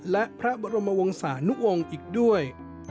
และพระบรมวงศานุวงศ์อีกด้วย